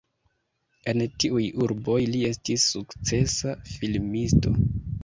En tiuj urboj li estis sukcesa filmisto.